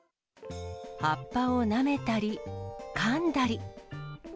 葉っぱをなめたり、かんだり。